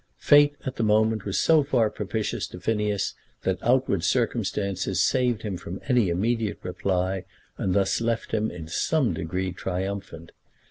Fate at the moment was so far propitious to Phineas that outward circumstances saved him from any immediate reply, and thus left him in some degree triumphant.